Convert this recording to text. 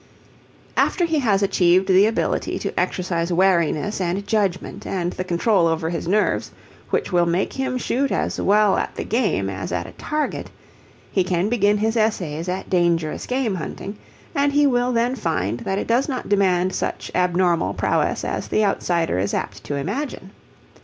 After he has achieved the ability to exercise wariness and judgment and the control over his nerves which will make him shoot as well at the game as at a target, he can begin his essays at dangerous game hunting, and he will then find that it does not demand such abnormal prowess as the outsider is apt to imagine.